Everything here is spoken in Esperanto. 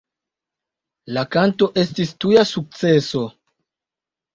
La kanto estis tuja sukceso.